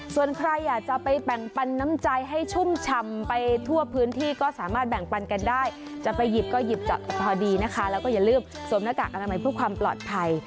ส่วนใครอยากจะไปแบ่งปันน้ำใจให้ชุ่มชำไปทั่วพื้นที่ก็สามารถแบ่งปันกันได้จะไปหยิบก็หยิบเจาะแต่พอดีนะคะแล้วก็อย่าลืมสวมหน้ากากอนามัยเพื่อความปลอดภัย